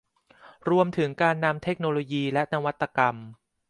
รวมถึงการนำเทคโนโลยีและนวัตกรรม